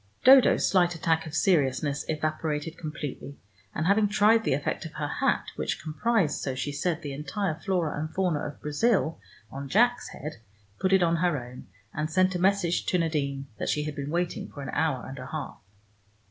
Dodo's slight attack of seriousness evaporated completely, and having tried the effect of her hat, which comprised, so she said, the entire flora and fauna of Brazil, on Jack's head, put it on her own, and sent a message to Nadine that she had been waiting an hour and a half.